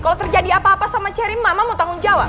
kalau terjadi apa apa sama cherry mama mau tanggung jawab